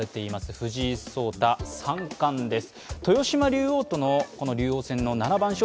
藤井聡太三冠です。